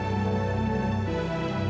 gobi aku mau ke rumah